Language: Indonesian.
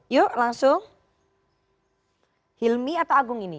yuk langsung hilmi atau agung ini